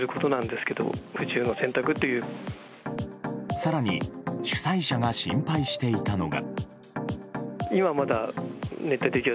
更に主催者が心配していたのが。